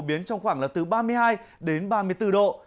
nhiệt độ cao nhất trong ngày đạt ẩn ngưỡng là từ ba mươi hai đến ba mươi bốn độ